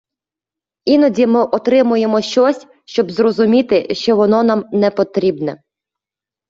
Іноді ми отримуємо щось, щоб зрозуміти, що воно нам не потрібне